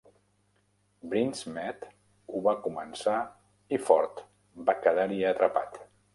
Brinsmead ho va començar i Ford va quedar-hi atrapat.